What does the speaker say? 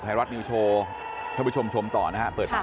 การสอบส่วนแล้วนะ